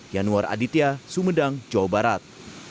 yanuar aditya sumedang jawa barat